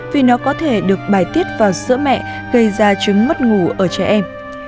vì nó có thể được bài tiết vào sữa mẹ gây ra chứng mất ngủ ở trẻ em